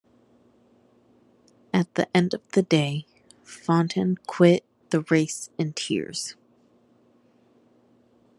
At the end of the day Fontan quit the race in tears.